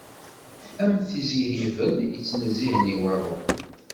Am at tizi Hibel, yittnezzihen i waḍu.